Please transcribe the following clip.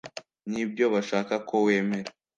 Nibyo bashaka ko wemera